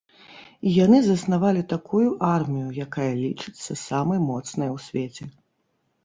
І яны заснавалі такую армію, якая лічыцца самай моцнай у свеце.